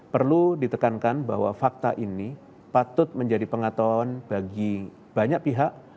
perlu ditekankan bahwa fakta ini patut menjadi pengatauan bagi banyak pihak